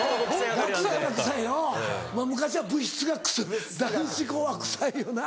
昔は部室が男子校は臭いよな。